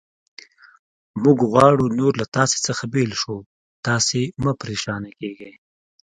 موږ غواړو نور له تاسې څخه بېل شو، تاسې مه پرېشانه کېږئ.